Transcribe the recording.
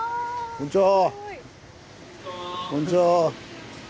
こんにちは。